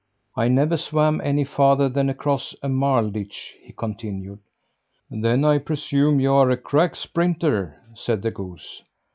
"I never swam any farther than across a marl ditch," he continued. "Then I presume you're a crack sprinter," said the goose.